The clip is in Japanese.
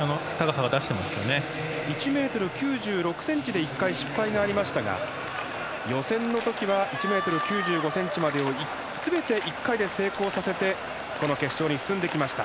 １ｍ９６ｃｍで１回失敗がありましたが予選の時は、１ｍ９５ｃｍまで全て１回で成功させてこの決勝に進んできました。